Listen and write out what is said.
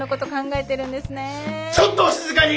ちょっとお静かに！